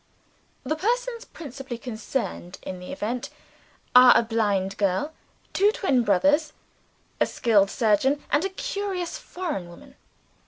The persons principally concerned in the Event are: a blind girl; two (twin) brothers; a skilled surgeon; and a curious foreign woman.